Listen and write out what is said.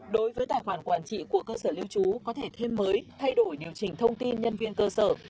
đối với tài khoản quản trị của cơ sở lưu trú có thể thêm mới thay đổi điều chỉnh thông tin nhân viên cơ sở